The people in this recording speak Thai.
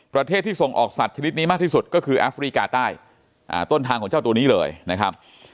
ประเทศที่ส่งออกสัตว์ชนิดนี้มากที่สุดก็คือแอฟริกาใต้ต้นทางของเจ้าตัวนี้เลยนะครับ